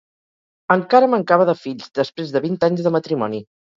Encara mancava de fills, després de vint anys de matrimoni.